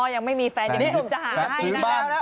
อ๋อยังไม่มีแฟนเดี๋ยวผมจะหาให้นะ